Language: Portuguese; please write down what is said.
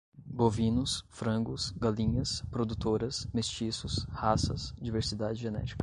bovinos, frangos, galinhas produtoras, mestiços, raças, diversidade genética